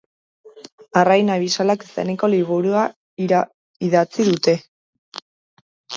Arrain abisalak izeneko liburua idatzi dute.